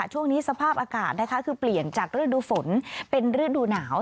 ช่วงนี้สภาพอากาศนะคะคือเปลี่ยนจากฤดูฝนเป็นฤดูหนาว